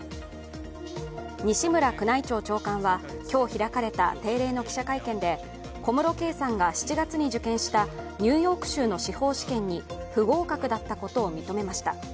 西村宮内庁長官は今日開かれた定例の記者会見で小室圭さんが７月に受験したニューヨーク州の司法試験に不合格だったことを認めました。